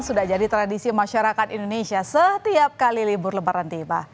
sudah jadi tradisi masyarakat indonesia setiap kali libur lebaran tiba